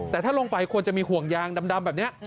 แต่ถ้าลงไปควรจะมีห่วงยางดำแบบนี้